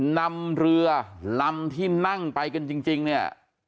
นำเรือลำที่นั่งไปกันจริงเนี่ย